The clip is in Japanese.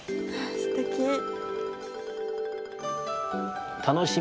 すてき。